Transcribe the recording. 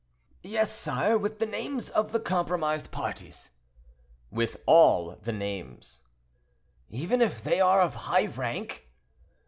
"Yes, sire; with the names of the compromised parties." "With all the names." "Even if they are of high rank?"